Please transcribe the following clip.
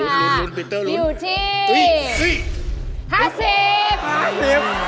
รุ้นปีเตอร์รุ้นอยู่ที่๕๐บาท